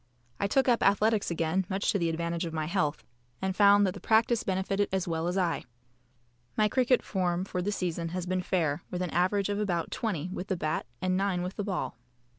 I took up athletics again much to the advantage of my health, and found that the practice benefited as well as I. My cricket form for the season has been fair, with an average of about 20 with the bat and 9 with the ball.